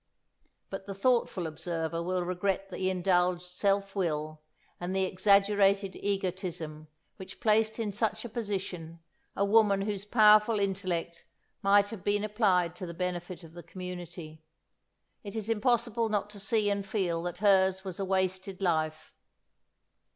But the thoughtful observer will regret the indulged self will and the exaggerated egotism which placed in such a position a woman whose powerful intellect might have been applied to the benefit of the community. It is impossible not to see and feel that hers was a wasted life.